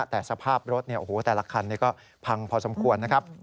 แต่สภาพรถแต่ละคันก็พังพอสมควรนะครับ